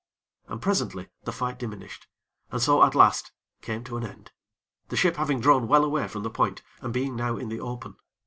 And, presently, the fight diminished, and so, at last, came to an end, the ship having drawn well away from the point, and being now in the open.